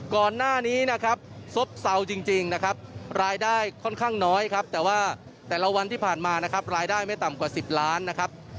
ก่อนหน้านี้นะครับซบเศร้าจริงนะครับรายได้ค่อนข้างน้อยครับแต่ว่าแต่ละวันที่ผ่านมานะครับรายได้ไม่ต่ำกว่า๑๐ล้านนะครับ